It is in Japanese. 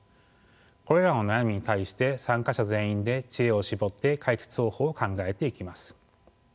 これらの悩みに対して参加者全員で知恵を絞って解決方法を考えていきます。